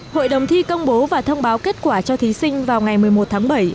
hội đồng thi công bố và thông báo kết quả cho thí sinh vào ngày một mươi một tháng bảy